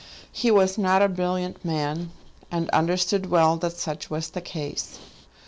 He was not a brilliant man, and understood well that such was the case.